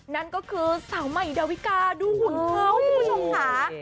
นั่นก็คือสาวใหม่ดาวิกาดูหุ่นเขาคุณผู้ชมค่ะ